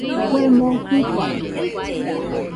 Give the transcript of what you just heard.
Kue moo Jɨfaide